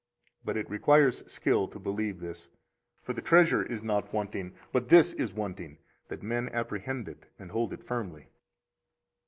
40 But it requires skill to believe this, for the treasure is not wanting, but this is wanting that men apprehend it and hold it firmly.